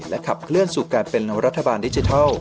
ขับเคลื่อนสู่การเป็นรัฐบาลดิจิทัล